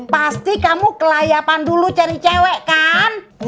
pasti kamu kelayapan dulu cari cewek kan